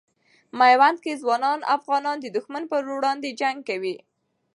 میوند کې ځوان افغانان د دښمن پر وړاندې جنګ کوي.